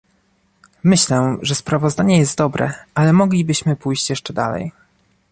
myślę, że sprawozdanie jest dobre, ale moglibyśmy pójść jeszcze dalej